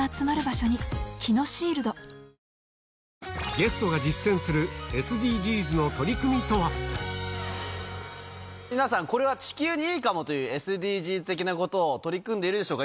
ゲストが実践するＳＤＧｓの皆さん、これは地球にいいかもというＳＤＧｓ的なことを取り組んでいるでしょうか。